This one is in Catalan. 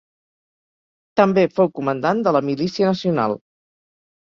També fou comandant de la Milícia Nacional.